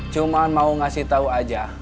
cuma mau ngasih tahu aja